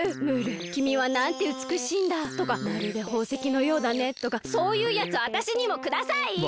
「ムールきみはなんてうつくしいんだ」とか「まるでほうせきのようだね」とかそういうやつあたしにもください！